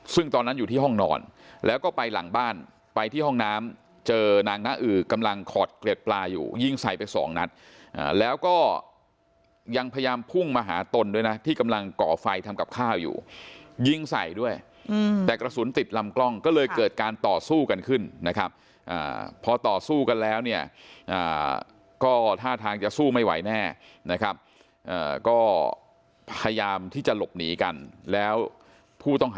ซึ่งตอนนั้นอยู่ที่ห้องนอนแล้วก็ไปหลังบ้านไปที่ห้องน้ำเจอนางน้าอือกำลังขอดเกร็ดปลาอยู่ยิงใส่ไปสองนัดแล้วก็ยังพยายามพุ่งมาหาตนด้วยนะที่กำลังก่อไฟทำกับข้าวอยู่ยิงใส่ด้วยแต่กระสุนติดลำกล้องก็เลยเกิดการต่อสู้กันขึ้นนะครับพอต่อสู้กันแล้วเนี่ยก็ท่าทางจะสู้ไม่ไหวแน่นะครับก็พยายามที่จะหลบหนีกันแล้วผู้ต้องหา